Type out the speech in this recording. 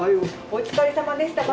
お疲れさまでした。